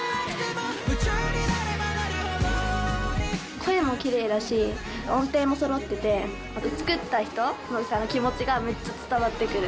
声もきれいだし、作った人の気持ちがめっちゃ伝わってくる。